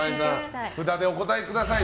札でお答えください。